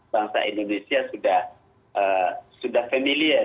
bangsa indonesia sudah familiar